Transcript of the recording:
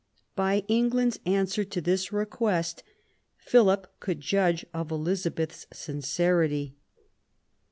By England's answer to this request Philip could judge of Eliza beth's sincerity.